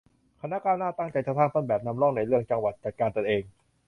คณะก้าวหน้า ตั้งใจจะสร้างต้นแบบ นำร่อง ในเรื่อง จังหวัดจัดการตนเอง